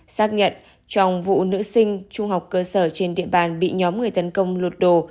xác nhận trong vụ nữ sinh trung học cơ sở trên địa bàn bị nhóm người tấn công lụt đồ